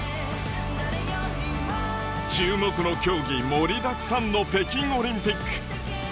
注目の競技盛りだくさんの北京オリンピック。